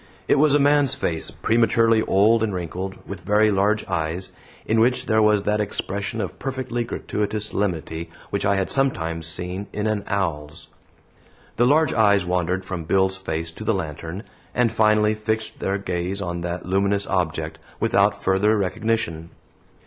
It was a man's face, prematurely old and wrinkled, with very large eyes, in which there was that expression of perfectly gratuitous solemnity which I had sometimes seen in an owl's. The large eyes wandered from Bill's face to the lantern, and finally fixed their gaze on that luminous object, without further recognition.